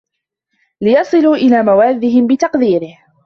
لِيَصِلُوا إلَى مَوَادِّهِمْ بِتَقْدِيرِهِ